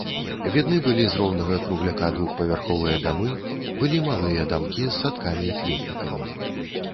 Відны былі з роўнага кругляка двухпавярховыя дамы, былі малыя дамкі з садкамі і кветнікамі.